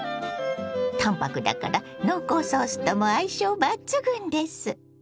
淡泊だから濃厚ソースとも相性抜群です！